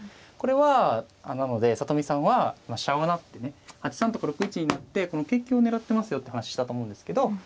これはなので里見さんは飛車を成ってね８三とか６一に成って桂香を狙ってますよって話したと思うんですけど。